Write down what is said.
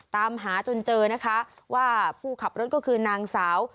ตามหาจนเจอนะคะว่าผู้ขับรถก็คือนางสาว